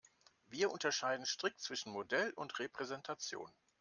Wir unterscheiden strikt zwischen Modell und Repräsentation.